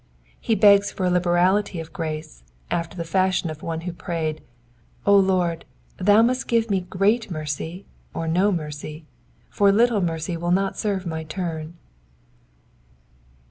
He ' begs for a liberality of grace, after the fashion of one who prayed, *^ O Lord, thou must give me great mercy or no mercy, for Uttle mercy will, not serve my turn.''